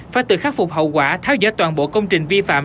phải tự khắc phục hậu quả tháo dỡ toàn bộ công trình vi phạm